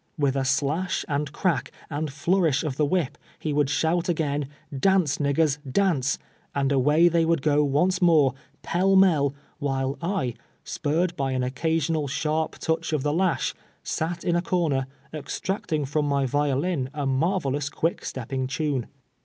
AVitli a sbish, and crack, and flourish of the wliip, he would shout again, '' Dance, niggers, dance," and away thej wuuld go once more, pell mell, while I, spurred by an occasional sharp touch of the lash, sat in a corner, ex tracting from my violin a marvelous cpuclc stepping tunc.